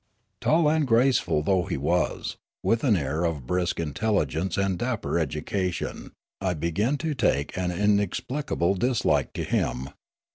Tall and graceful though he was, with an air of brisk intelligence and dapper education, I began to take an inexplicable dislike to him.